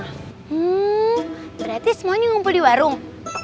hmm berarti semuanya ngumpul di warung